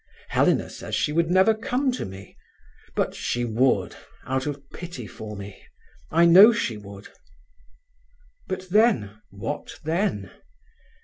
Helena says she would never come to me; but she would, out of pity for me. I know she would. "But then, what then?